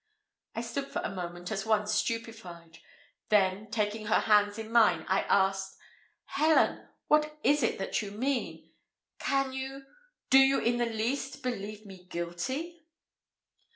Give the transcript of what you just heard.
I stood for a moment as one stupified then, taking her hands in mine, I asked, "Helen, what is it that you mean? Can you do you in the least believe me guilty?"